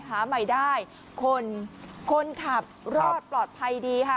หาใหม่ได้คนคนขับรอดปลอดภัยดีค่ะ